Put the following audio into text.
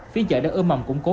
phiên chợ đã ưm mầm củng cố